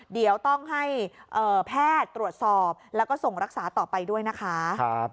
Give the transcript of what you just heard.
เดี๋ยวต้องให้แพทย์ตรวจสอบแล้วก็ส่งรักษาต่อไปด้วยนะคะ